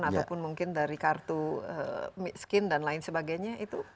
ataupun mungkin dari kartu miskin dan lain sebagainya